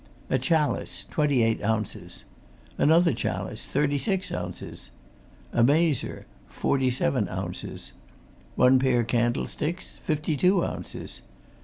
A chalice, twenty eight ounces. Another chalice, thirty six ounces. A mazer, forty seven ounces. One pair candlesticks, fifty two ounces.